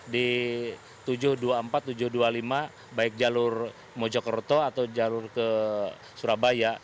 di tujuh ratus dua puluh empat tujuh ratus dua puluh lima baik jalur mojokerto atau jalur ke surabaya